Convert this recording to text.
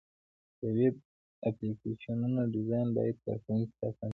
د ویب اپلیکیشنونو ډیزاین باید کارونکي ته اسانتیا ورکړي.